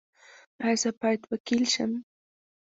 ایا زه باید وکیل شم؟